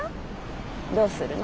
どうするの？